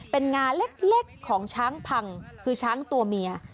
เป็นงาเล็กของช้างพังคือช้างตัวเมีย